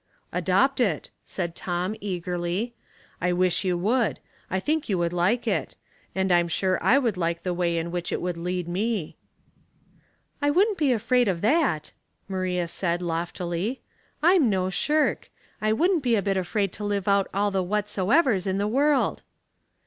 " Adopt it," said Tom, eagerly. "I wish you would. I think you would like it; and I'm Bure I would like the way in which it would lead me." *' I wouldn't be afraid of that," Maria said, loftily. "I'm no shirk. I wouldn't be a bit afraid to live out all the ' whatsoevers ' in the world."